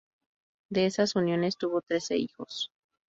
De esas uniones tuvo trece hijos.